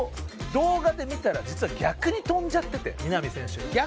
動画で見たら実は逆に飛んじゃってて南選手。